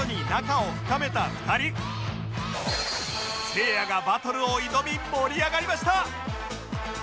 せいやがバトルを挑み盛り上がりました